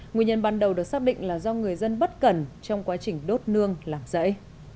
nguyên nhân ban đầu được xác định là do người dân bất cần trong quá trình đốt nương làm rẫy